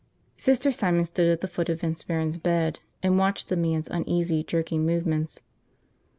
Sister Simon stood at the foot of Vince Barron's bed and watched the man's uneasy, jerking movements.